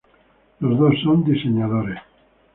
Los dos son diseñadores.